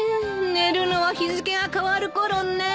寝るのは日付が変わるころね。